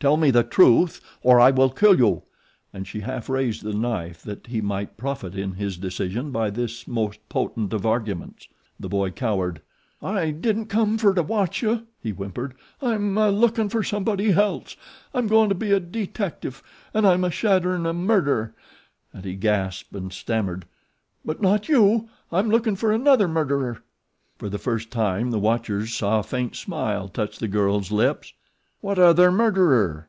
"Tell me the truth, or I kill you," and she half raised the knife that he might profit in his decision by this most potent of arguments. The boy cowered. "I didn't come fer to watch you," he whimpered. "I'm lookin' for somebody else. I'm goin' to be a dee tectiff, an' I'm shadderin' a murderer;" and he gasped and stammered: "But not you. I'm lookin' for another murderer." For the first time the watchers saw a faint smile touch the girl's lips. "What other murderer?"